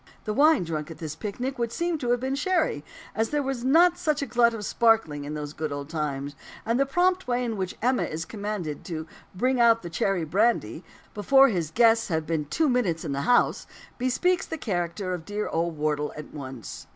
The wine drunk at this picnic would seem to have been sherry; as there was not such a glut of "the sparkling" in those good old times. And the prompt way in which "Emma" is commanded to "bring out the cherry brandy," before his guests have been two minutes in the house, bespeaks the character of dear old Wardle in once.